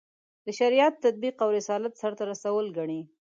د شریعت تطبیق او رسالت سرته رسول ګڼي.